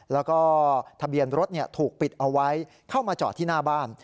แล้วก็ทะเบียนรถถูกปิดเอาไว้เข้ามาจอดที่หน้าบ้าน